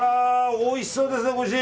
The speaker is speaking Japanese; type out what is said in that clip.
おいしそうですね、ご主人。